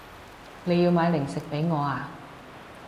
你要買零食畀我啊